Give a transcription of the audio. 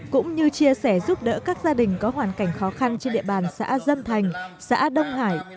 cũng như chia sẻ giúp đỡ các gia đình có hoàn cảnh khó khăn trên địa bàn xã dân thành xã đông hải